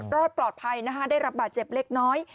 รอดปลอดภัยนะคะได้รับบาดเจ็บเล็กน้อย